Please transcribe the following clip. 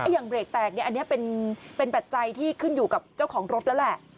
ถ้าอย่างเบรกแตกเนี่ยอันนี้เป็นแบบใจที่ขึ้นอยู่กับเจ้าของรถแล้วแหละ